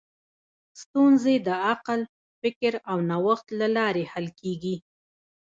ستونزې د عقل، فکر او نوښت له لارې حل کېږي.